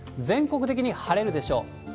全国的に晴れるでしょう。